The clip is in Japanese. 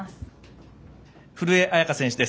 古江彩佳選手です